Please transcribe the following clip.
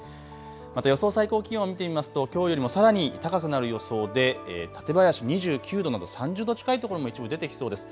また予想最高気温を見てみますときょうよりもさらに高くなる予想で館林２９度など３０度近い所も一部、出てきそうです。